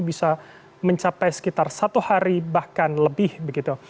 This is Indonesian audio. bisa mencapai sekitar satu hari bahkan lebih begitu